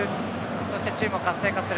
そして、チームを活性化する。